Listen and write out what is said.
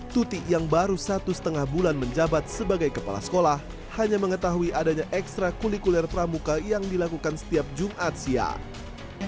tuti yang baru satu setengah bulan menjabat sebagai kepala sekolah hanya mengetahui adanya ekstra kulikuler pramuka yang dilakukan setiap jumat siang